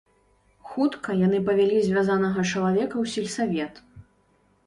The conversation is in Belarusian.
Хутка яны павялі звязанага чалавека ў сельсавет.